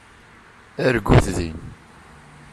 Argut din!